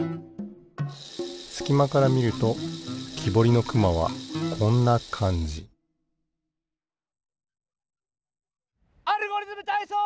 すきまからみるときぼりのくまはこんなかんじ「アルゴリズムたいそう」！